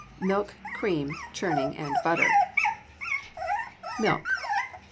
MILK, CREAM, CHURNING, AND BUTTER =Milk.